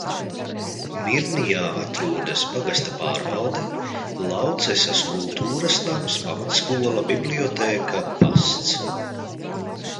Mirnijā atrodas pagasta pārvalde, Laucesas kultūras nams, pamatskola, bibliotēka, pasts.